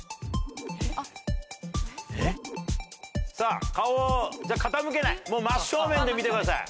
さぁ顔を傾けない真っ正面で見てください。